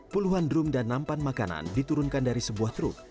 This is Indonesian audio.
puluhan drum dan nampan makanan diturunkan dari sebuah truk